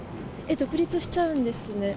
独立しちゃうんですね。